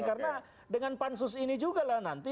karena dengan pansus ini juga lah nanti